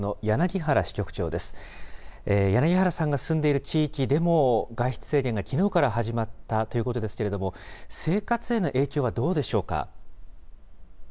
柳原さんが住んでいる地域でも、外出制限がきのうから始まったということですけれども、生活への影響はどうでしょうか。